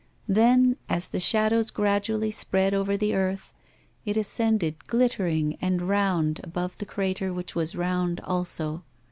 Then, as the shadows gradually spread over the earth, it ascended glittering and round above the crater which was round also.